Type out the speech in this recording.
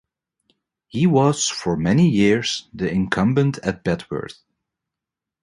He was for many years the incumbent at Bedworth.